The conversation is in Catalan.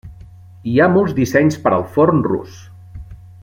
Hi ha molts dissenys per al forn rus.